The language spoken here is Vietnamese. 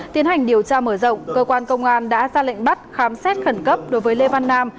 tiến hành điều tra mở rộng cơ quan công an đã ra lệnh bắt khám xét khẩn cấp đối với lê văn nam